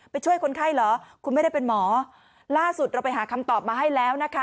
ช่วยคนไข้เหรอคุณไม่ได้เป็นหมอล่าสุดเราไปหาคำตอบมาให้แล้วนะคะ